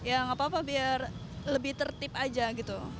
ya gapapa biar lebih tertib aja gitu